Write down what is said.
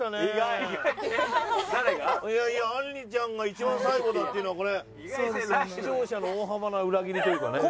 いやいやあんりちゃんが一番最後だっていうのがこれ視聴者の大幅な裏切りというかね。